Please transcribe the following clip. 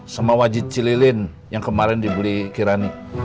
sama wajib cililin yang kemarin dibeli kirani